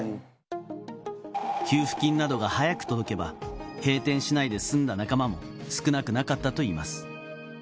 給付金などが早く届けば、閉店しないで済んだ仲間も少なくなかったといいます。